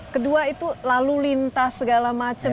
kedua itu lalu lintas segala macam